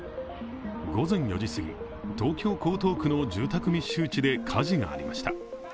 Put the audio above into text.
午前４時すぎ、東京・江東区の住宅密集地で火事がありました。